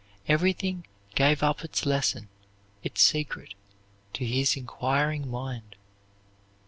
Everything gave up its lesson, its secret, to his inquiring mind.